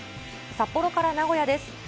札幌から名古屋です。